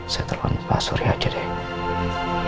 saya tolong pak surya aja deh